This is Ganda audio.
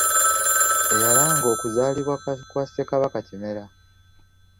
Eyalanga okuzaalibwa kwa Ssekabaka Kimera .